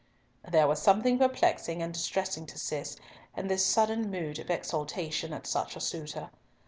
There was something perplexing and distressing to Cis in this sudden mood of exultation at such a suitor.